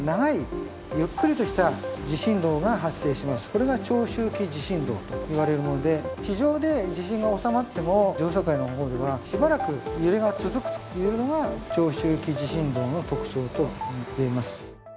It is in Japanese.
これが長周期地震動といわれるもので地上で地震が収まっても上層階の方ではしばらく揺れが続くというのが長周期地震動の特徴となっています。